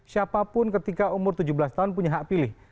siapapun ketika umur tujuh belas tahun punya hak pilih